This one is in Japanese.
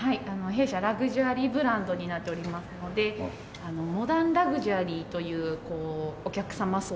弊社ラグジュアリーブランドになっておりますのでモダンラグジュアリーというお客様層を想定しております。